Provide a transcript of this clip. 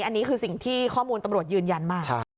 อันนี้คือสิ่งที่ข้อมูลตำรวจยืนยันมา